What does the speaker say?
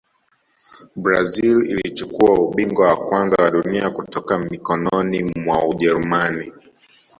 brazil ilichukua ubingwa wa kwanza wa dunia kutoka mikononi mwa ujerumani